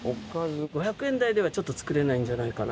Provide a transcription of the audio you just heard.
５００円台ではちょっと作れないんじゃないかな。